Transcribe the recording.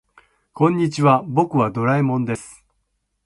こんにちは、僕はドラえもんです。